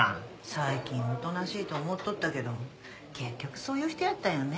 最近おとなしいと思っとったけど結局そういう人やったんやね。